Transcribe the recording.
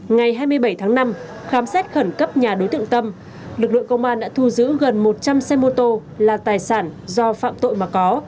ngày hai mươi bảy tháng năm khám xét khẩn cấp nhà đối tượng tâm lực lượng công an đã thu giữ gần một trăm linh xe mô tô là tài sản do phạm tội mà có